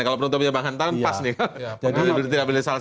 kalau penutupnya bang hanta kan pas nih